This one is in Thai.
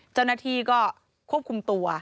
เจ้าหน้าที่ก็ควบคุมตัว